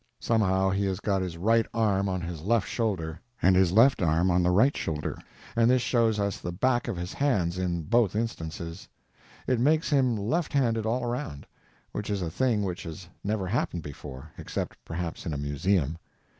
Somehow he has got his right arm on his left shoulder, and his left arm on the right shoulder, and this shows us the back of his hands in both instances. It makes him left handed all around, which is a thing which has never happened before, except perhaps in a museum.